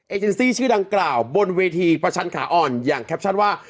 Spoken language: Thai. เจนซี่ชื่อดังกล่าวบนเวทีประชันขาอ่อนอย่างแคปชั่นว่า